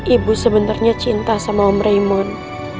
ibu sebenarnya cinta sama om raymond